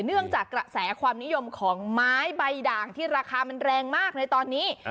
เนื่องจากกระแสความนิยมของไม้ใบด่างที่ราคามันแรงมากในตอนนี้